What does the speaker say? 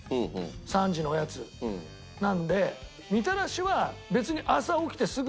３時のおやつなので。